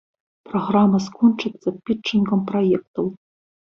Праграма скончыцца пітчынгам праектаў.